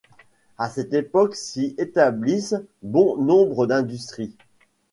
À cette époque s'y établissent bon nombre d'industries.